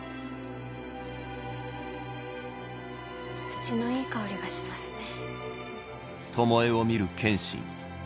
土のいい香りがしますね。